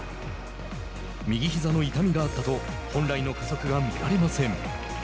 「右ひざの痛みがあった」と本来の加速が見られません。